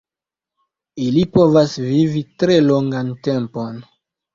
Ili povas vivi tre longan tempon.